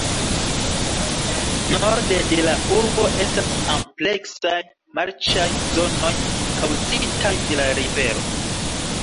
Norde de la urbo estas ampleksaj marĉaj zonoj kaŭzitaj de la rivero.